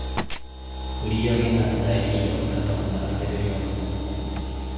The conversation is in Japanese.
売上なら大企業に肩を並べるようになった